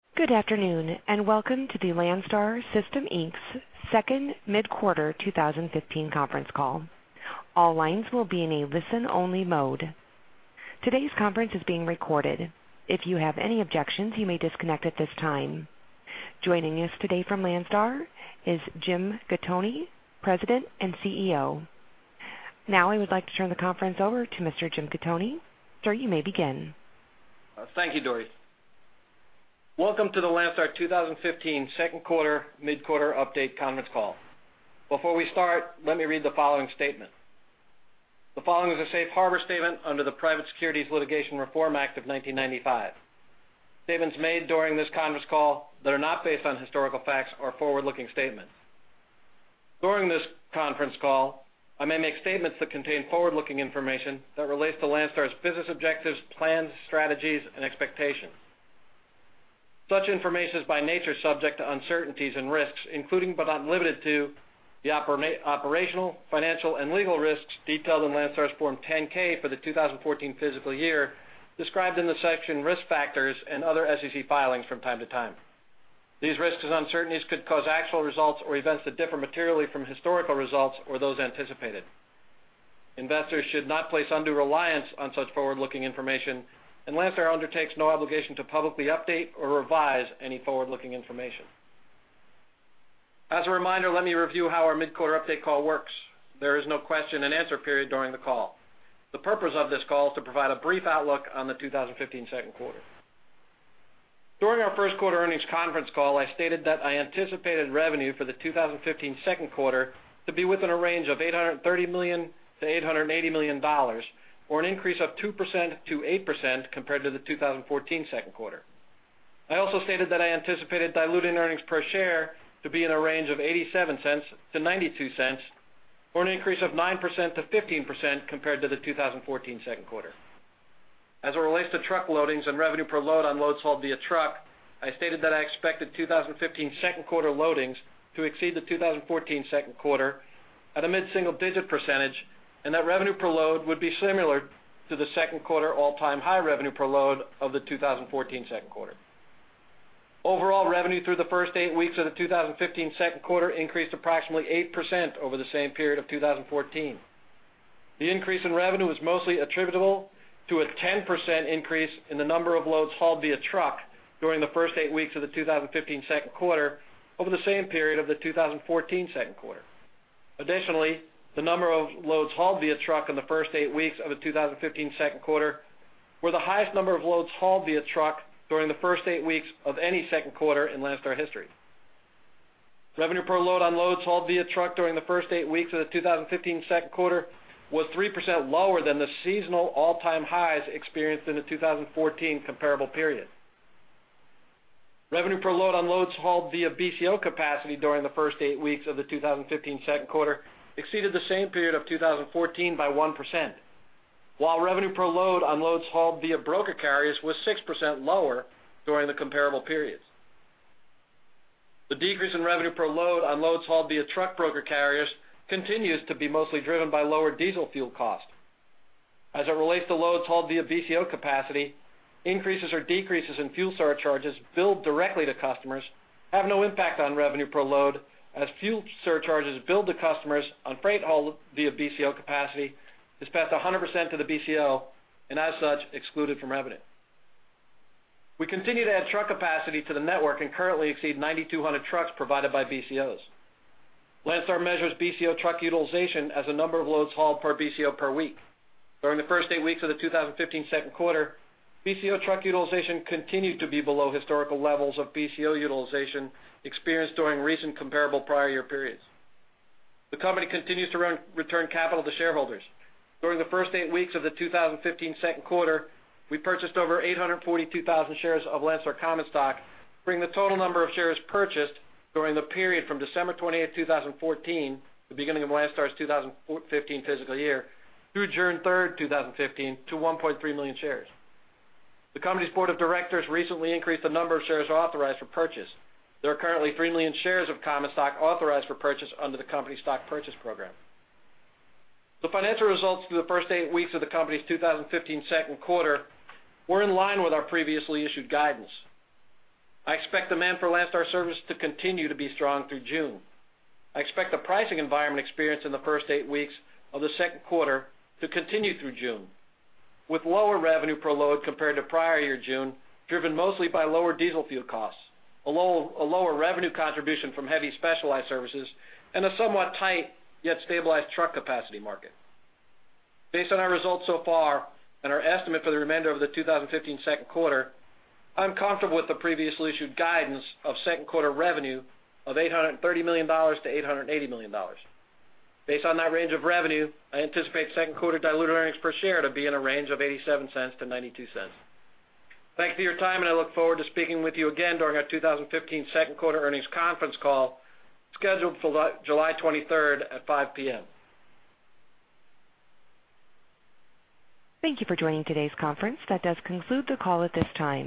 Good afternoon and welcome to the Landstar System, Inc.'s second mid-quarter 2015 conference call. All lines will be in a listen-only mode. Today's conference is being recorded. If you have any objections, you may disconnect at this time. Joining us today from Landstar is Jim Gattoni, President and CEO. Now I would like to turn the conference over to Mr. Jim Gattoni. Sir, you may begin. Thank you, Doran. Welcome to the Landstar 2015 second quarter mid-quarter update conference call. Before we start, let me read the following statement. The following is a safe harbor statement under the Private Securities Litigation Reform Act of 1995. Statements made during this conference call that are not based on historical facts are forward-looking statements. During this conference call, I may make statements that contain forward-looking information that relates to Landstar's business objectives, plans, strategies, and expectations. Such information is by nature subject to uncertainties and risks, including but not limited to the operational, financial, and legal risks detailed in Landstar's Form 10-K for the 2014 fiscal year, described in the section Risk Factors and other SEC filings from time to time. These risks and uncertainties could cause actual results or events that differ materially from historical results or those anticipated. Investors should not place undue reliance on such forward-looking information, and Landstar undertakes no obligation to publicly update or revise any forward-looking information. As a reminder, let me review how our mid-quarter update call works. There is no question and answer period during the call. The purpose of this call is to provide a brief outlook on the 2015 second quarter. During our first quarter earnings conference call, I stated that I anticipated revenue for the 2015 second quarter to be within a range of $830 million-$880 million or an increase of 2%-8% compared to the 2014 second quarter. I also stated that I anticipated diluted earnings per share to be in a range of $0.87-$0.92 or an increase of 9%-15% compared to the 2014 second quarter. As it relates to truck loadings and revenue per load on loads hauled via truck, I stated that I expected 2015 second quarter loadings to exceed the 2014 second quarter at a mid-single digit percentage and that revenue per load would be similar to the second quarter all-time high revenue per load of the 2014 second quarter. Overall revenue through the first eight weeks of the 2015 second quarter increased approximately 8% over the same period of 2014. The increase in revenue was mostly attributable to a 10% increase in the number of loads hauled via truck during the first eight weeks of the 2015 second quarter over the same period of the 2014 second quarter. Additionally, the number of loads hauled via truck in the first eight weeks of the 2015 second quarter were the highest number of loads hauled via truck during the first eight weeks of any second quarter in Landstar history. Revenue per load on loads hauled via truck during the first eight weeks of the 2015 second quarter was 3% lower than the seasonal all-time highs experienced in the 2014 comparable period. Revenue per load on loads hauled via BCO capacity during the first eight weeks of the 2015 second quarter exceeded the same period of 2014 by 1%, while revenue per load on loads hauled via broker carriers was 6% lower during the comparable periods. The decrease in revenue per load on loads hauled via truck broker carriers continues to be mostly driven by lower diesel fuel cost. As it relates to loads hauled via BCO capacity, increases or decreases in fuel surcharges billed directly to customers have no impact on revenue per load as fuel surcharges billed to customers on freight hauled via BCO capacity is passed 100% to the BCO and as such excluded from revenue. We continue to add truck capacity to the network and currently exceed 9,200 trucks provided by BCOs. Landstar measures BCO truck utilization as the number of loads hauled per BCO per week. During the first eight weeks of the 2015 second quarter, BCO truck utilization continued to be below historical levels of BCO utilization experienced during recent comparable prior year periods. The company continues to return capital to shareholders. During the first eight weeks of the 2015 second quarter, we purchased over 842,000 shares of Landstar common stock, bringing the total number of shares purchased during the period from December 28, 2014, the beginning of Landstar's 2015 fiscal year through June 3, 2015, to 1.3 million shares. The company's board of directors recently increased the number of shares authorized for purchase. There are currently 3 million shares of common stock authorized for purchase under the company's stock purchase program. The financial results through the first eight weeks of the company's 2015 second quarter were in line with our previously issued guidance. I expect demand for Landstar services to continue to be strong through June. I expect the pricing environment experienced in the first eight weeks of the second quarter to continue through June, with lower revenue per load compared to prior year June, driven mostly by lower diesel fuel costs, a lower revenue contribution from heavy specialized services, and a somewhat tight yet stabilized truck capacity market. Based on our results so far and our estimate for the remainder of the 2015 second quarter, I'm comfortable with the previously issued guidance of second quarter revenue of $830 million-$880 million. Based on that range of revenue, I anticipate second quarter diluted earnings per share to be in a range of $0.87-$0.92. Thank you for your time, and I look forward to speaking with you again during our 2015 second quarter earnings conference call scheduled for July 23rd at 5:00 P.M. Thank you for joining today's conference. That does conclude the call at this time.